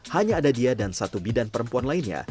hanya ada dia dan satu bidan perempuan lainnya